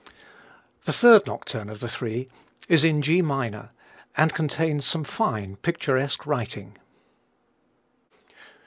The third nocturne of the three is in G minor, and contains some fine, picturesque writing.